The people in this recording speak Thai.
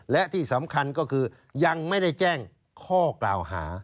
และที่สำคัญก็คือยังไม่ได้แจ้งข้อกล่าวหา